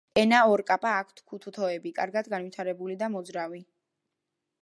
ენა ორკაპა აქვთ, ქუთუთოები კარგად განვითარებული და მოძრავი.